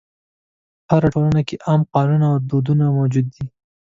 هره ټولنه کې عام قانون او دودونه موجود وي.